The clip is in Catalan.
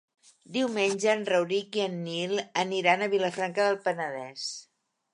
Diumenge en Rauric i en Nil aniran a Vilafranca del Penedès.